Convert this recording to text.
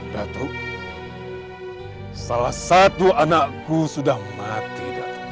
datuk salah satu anakku sudah mati